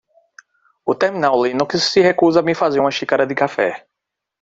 O terminal Linux se recusa a me fazer uma xícara de café.